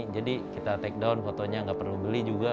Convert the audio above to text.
jadi kita take down fotonya nggak perlu beli juga